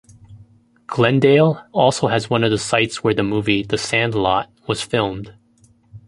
Glendale also has one of the sites where the movie, "The Sandlot" was filmed.